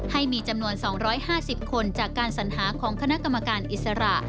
ให้มีจำนวน๒๕๐คนจากการสัญหาของคณะกรรมการอิสระ